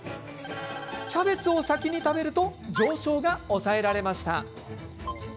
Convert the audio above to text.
キャベツを先に食べると上昇が抑えられました。